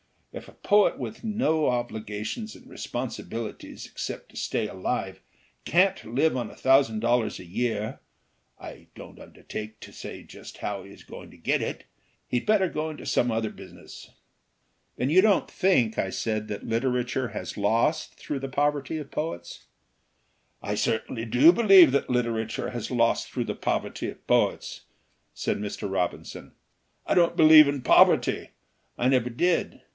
If a poet with no obligations and responsibilities except to stay alive can't live on a thousand dollars a year (I don't undertake to say just how he is going to get it), he'd better go into some other business." "Then you don't think," I said, "that litera ture has lost through the poverty of poets?" "I certainly do believe that literature has lost through the poverty of poets," said Mr. Robin 272 NEW DEFINITION OF POETRY son. "I don't believe in poverty. I never did.